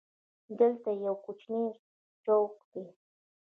دلته یو کوچنی چوک دی.